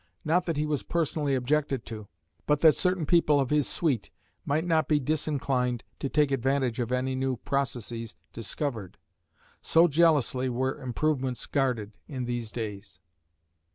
Not that he was personally objected to, but that certain people of his suite might not be disinclined to take advantage of any new processes discovered. So jealously were improvements guarded in these days.